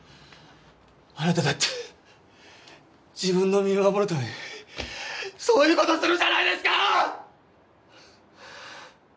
あなただって自分の身を守るためにそういう事をするじゃないですか！